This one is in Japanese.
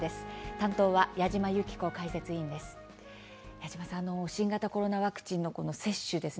担当は矢島ゆき子解説委員です。